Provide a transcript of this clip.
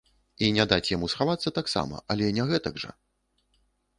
І не даць яму схавацца таксама, але не гэтак жа!